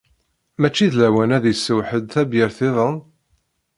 Mačči d lawan ad isew ḥedd tabyirt-iḍen?